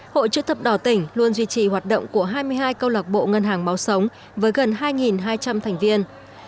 hội chức thập đỏ tỉnh luôn duy trì hoạt động của hai mươi hai câu lạc bộ ngân hàng máu sống với gần hai hai trăm linh thành viên